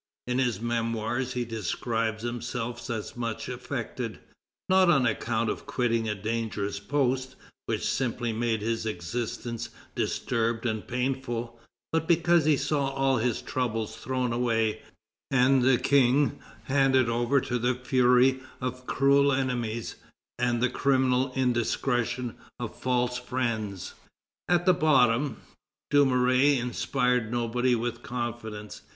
In his Memoirs he describes himself as much affected, "not on account of quitting a dangerous post, which simply made his existence disturbed and painful, but because he saw all his trouble thrown away, and the King handed over to the fury of cruel enemies and the criminal indiscretion of false friends." At bottom, Dumouriez inspired nobody with confidence.